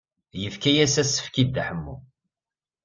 Yefka-as asefk i Dda Ḥemmu.